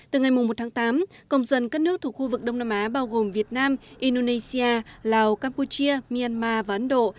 từ ngày một tháng tám công dân các nước thuộc khu vực đông nam á bao gồm việt nam indonesia lào campuchia myanmar và ấn độ